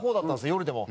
夜でも。